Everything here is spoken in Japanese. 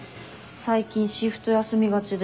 最近シフト休みがちで。